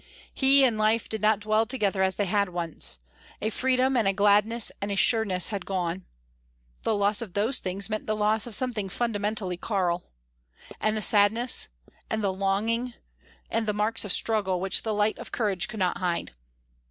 He and life did not dwell together as they had once; a freedom and a gladness and a sureness had gone. The loss of those things meant the loss of something fundamentally Karl. And the sadness and the longing and the marks of struggle which the light of courage could not hide!